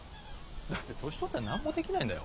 だって年取ったら何もできないんだよ。